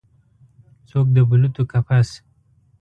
څوک د بلوطو کپس